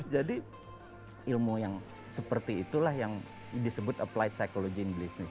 jadi ilmu yang seperti itulah yang disebut applied psychology in business